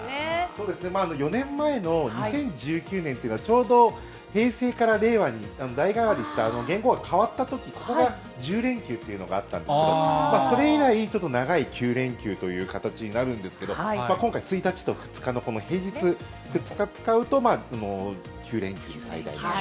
そうですね、４年前の２０１９年というのが、ちょうど平成から令和に代がわりした、元号が変わったとき、ここが１０連休っていうのがあったんですけど、それ以来ちょっと長い９連休という形になるんですけど、今回、１日と２日の、この平日使うと、この９連休、最大なると。